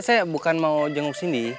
saya bukan mau jenguk sini